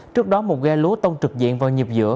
trước đó một ghe lúa tông trực diện vào nhịp giữa